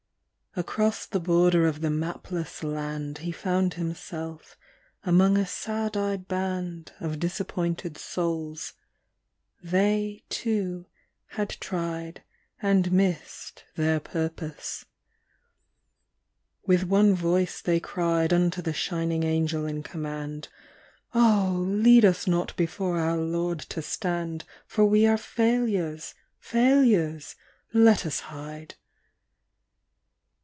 Across the border of the mapless land He found himself among a sad eyed band Of disappointed souls; they, too, had tried And missed their purpose. With one voice they cried Unto the shining Angel in command: 'Oh, lead us not before our Lord to stand, For we are failures, failures! Let us hide.